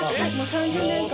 ３０年間？